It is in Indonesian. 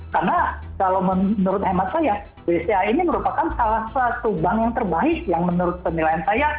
karena kalau menurut hemat saya bca ini merupakan salah satu bank yang terbaik yang menurut penilaian saya